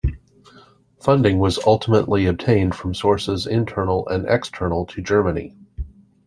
Funding was ultimately obtained from sources internal and external to Germany.